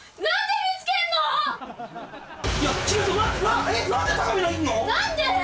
何で！